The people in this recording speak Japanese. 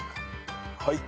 はい。